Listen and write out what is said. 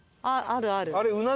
あるある。